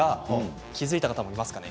気付いた方、いますか？